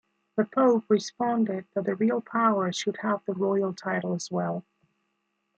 The pope responded that the real power should have the royal title as well.